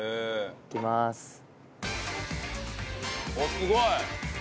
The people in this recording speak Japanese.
すごい！